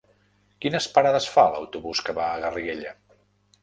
Quines parades fa l'autobús que va a Garriguella?